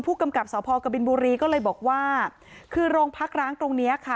กับสพกบินบุรีก็เลยบอกว่าคือโรงพักร้างตรงเนี้ยค่ะ